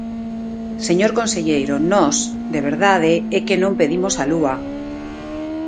Señor conselleiro, nós, de verdade, é que non pedimos a lúa.